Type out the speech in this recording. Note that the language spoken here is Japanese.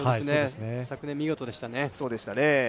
昨年見事でしたね。